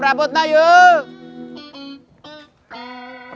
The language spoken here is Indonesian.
rabut nak pak